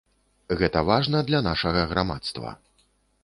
Гэта важна для нашага грамадства.